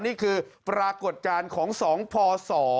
นี่คือปรากฏการณ์ของ๒พศ